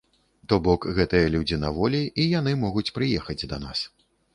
То бок, гэтыя людзі на волі, і яны могуць прыехаць да нас.